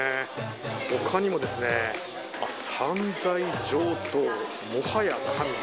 ほかにも、散財上等、もはや神。